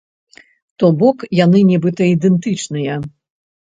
То бок, яны нібыта ідэнтычныя.